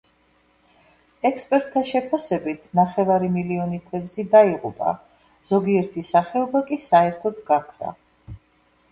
ექსპერტთა შეფასებით ნახევარი მილიონი თევზი დაიღუპა, ზოგიერთი სახეობა კი საერთოდ გაქრა.